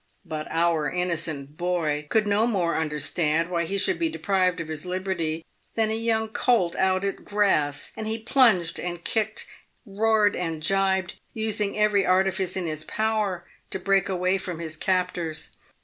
But our innocent boy could no more understand why he should be deprived of his liberty than a young colt out at grass, and he plunged and kicked, roared, and jibed, using every artifice in his power to break away from his captors.